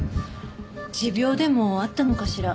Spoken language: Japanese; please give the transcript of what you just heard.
持病でもあったのかしら？